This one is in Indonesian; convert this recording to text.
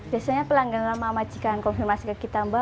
buat pelanggan lama majikan konfirmasi ke kita